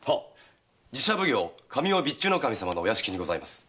寺社奉行・神尾備中守様のお屋敷にございます。